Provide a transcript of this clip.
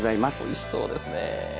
おいしそうですね。